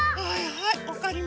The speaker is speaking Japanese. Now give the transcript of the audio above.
はい！